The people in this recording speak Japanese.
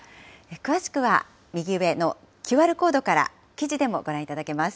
詳しくは右上のＱＲコードから、記事でもご覧いただけます。